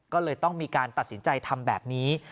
ก็เลยต้องมีการตัดสินใจทำแบบนี้